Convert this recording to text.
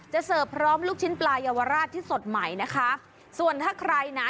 เสิร์ฟพร้อมลูกชิ้นปลายาวราชที่สดใหม่นะคะส่วนถ้าใครนะ